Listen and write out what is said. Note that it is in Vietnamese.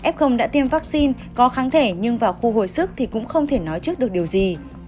f đã tiêm vaccine có kháng thể nhưng vào khu hồi sức thì cũng không thể nói trước được điều gì